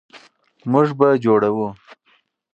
موږ به جوړوو.